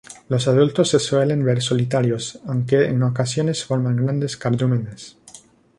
Los adultos se suelen ver solitarios, aunque en ocasiones forman grandes cardúmenes.